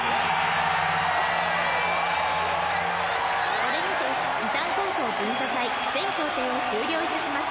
これにて伊旦高校文化祭全工程を終了いたします。